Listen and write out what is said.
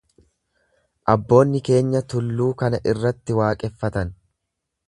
Abboonni keenya tulluu kana irratti waaqeffatan.